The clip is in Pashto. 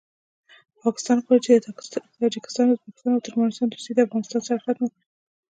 پاکستان غواړي چې د تاجکستان ازبکستان او ترکمستان دوستي د افغانستان سره ختمه کړي